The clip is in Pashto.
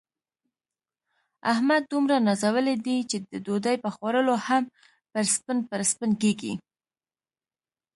احمد دومره نازولی دی، چې د ډوډۍ په خوړلو هم پړسپن پړسپن کېږي.